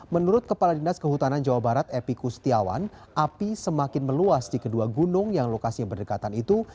menurut kepala dinas kehutanan jawa barat epi kustiawan api semakin meluas di kedua gunung yang lokasi berdekatan itu